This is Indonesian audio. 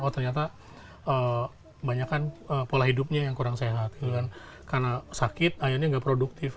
oh ternyata banyak kan pola hidupnya yang kurang sehat karena sakit akhirnya nggak produktif